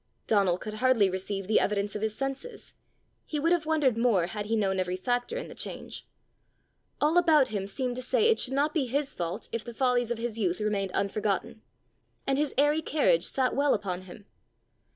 Donal could hardly receive the evidence of his senses: he would have wondered more had he known every factor in the change. All about him seemed to say it should not be his fault if the follies of his youth remained unforgotten; and his airy carriage sat well upon him.